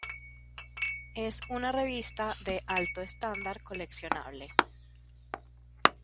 Es una revista de alto estándar, coleccionable.